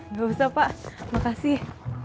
nggak usah pak makasih